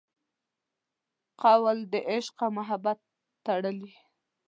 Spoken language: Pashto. قول د عشق او محبت تړلي